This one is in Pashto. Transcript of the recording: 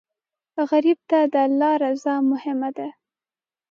غریب ته د الله رضا مهمه ده